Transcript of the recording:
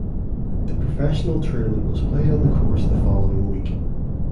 The professional tournament was played on the course the following week.